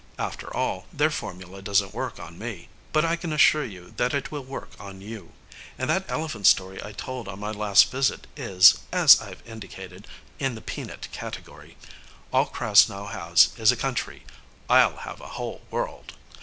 After all, their formula doesn't work on me but I can assure you that it will work on you. And that elephant story I told on my last visit is, as I've indicated, in the peanut category. All Krasnow has is a country. I'll have a whole world.